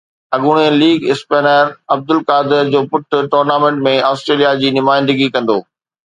اڳوڻي league spinner Abdul Qadir جو پٽ ٽورنامينٽ ۾ آسٽريليا جي نمائندگي ڪندو